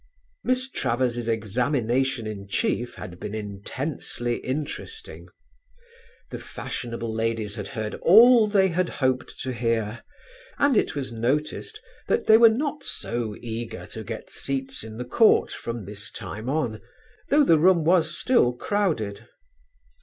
Miss Travers' examination in chief had been intensely interesting. The fashionable ladies had heard all they had hoped to hear, and it was noticed that they were not so eager to get seats in the court from this time on, though the room was still crowded.